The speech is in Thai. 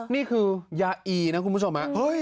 นี่คือยายีนะครูผู้ชมฮะ